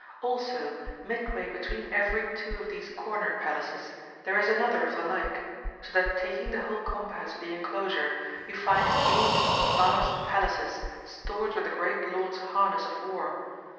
Also midway between every two of these Corner Palaces there is another of the like ; so that taking the whole compass of the enclosure you find eiofht vast Palaces stored with the Great Lord's harness of war.